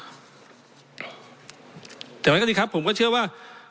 แต่เอาไงก็ดีครับผมก็เชื่อว่า